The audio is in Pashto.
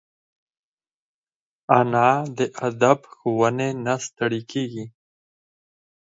انا د ادب ښوونې نه ستړي کېږي